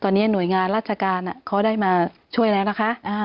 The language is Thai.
ตอนนี้หน่วยงานราชการเขาได้มาช่วยแล้วนะคะ